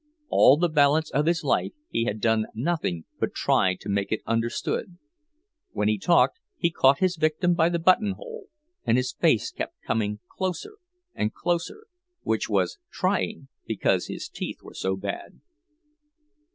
All the balance of his life he had done nothing but try to make it understood. When he talked he caught his victim by the buttonhole, and his face kept coming closer and closer—which was trying, because his teeth were so bad.